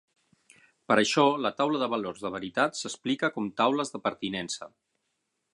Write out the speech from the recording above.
Per això, la taula de valors de veritat s'explicita com taules de pertinença.